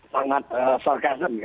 sangat sarcasm ya